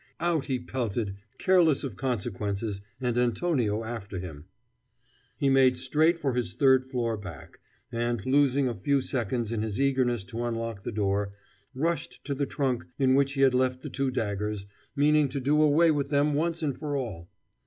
Out he pelted, careless of consequences, and Antonio after him. He made straight for his third floor back, and, losing a few seconds in his eagerness to unlock the door, rushed to the trunk in which he had left the two daggers, meaning to do away with them once and for all.